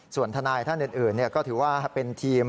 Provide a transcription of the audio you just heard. ส่วนทนายท่านอื่นก็ถือว่าเป็นทีม